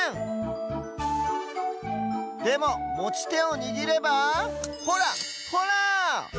でももちてをにぎればほらほら！